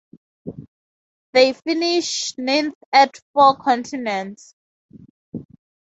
They finished ninth at Four Continents.